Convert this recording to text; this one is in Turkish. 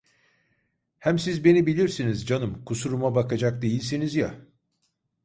Hem siz beni bilirsiniz canım, kusuruma bakacak değilsiniz ya!